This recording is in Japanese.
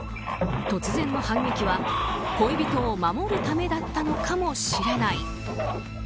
突然の反撃は恋人を守るためだったのかもしれない。